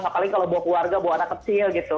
apalagi kalau buat keluarga buat anak kecil gitu